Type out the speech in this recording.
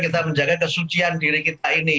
kita menjaga kesucian diri kita ini